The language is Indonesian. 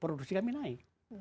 produksi kami naik